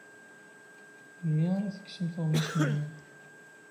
Melmi ara ad tekksem tuɣmas-nwen?